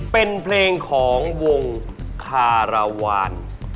เป็นเพลงของวงคาราวาน